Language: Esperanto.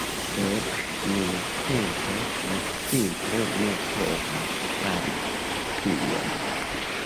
Sed nuntempe, mi simple ne povas fari tion